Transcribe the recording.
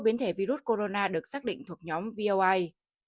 biến thể virus corona được xác định thuộc nhóm voi